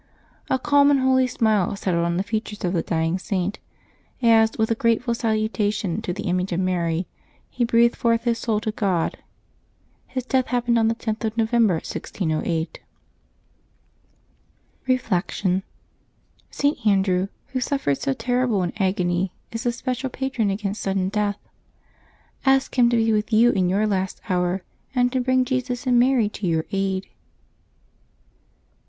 A calm and holy smile settled on the features of the dying Saint, as, with a grateful salutation to the image of Mary, he breathed forth his soul to God. His death happened on the 10th of November, 1608. Reflection. — St. Andrew, who suffered so terrible an agony, is the special patron against sudden death. Ask him to be with you in your last hour, and to bring Jesus and Mary to your aid.